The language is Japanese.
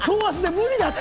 無理だって！